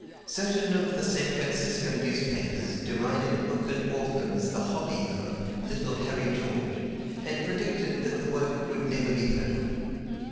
Certain of the San Francisco newspapers derided book and author as the "hobby" of "little Harry George," and predicted that the work would never be heard of.